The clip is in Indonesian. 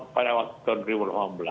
pada waktu tahun dua ribu delapan belas